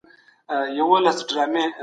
تاسو بايد د ټولني له بدويت سره مبارزه وکړئ.